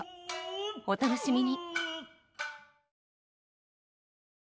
お楽しみに。